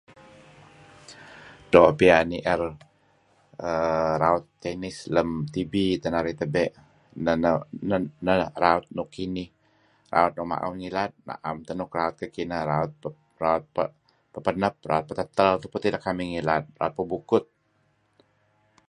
Do' piyan ni'er err raut tennis lem tv teh narih tebe', neh neh neh raut nuk kinih . Raut nuk ma'un ngilad na'em teh raut nuk kineh-kineh. Raut nuk pehpenep, pehtetel teh kekamih ngilad, pehbukut,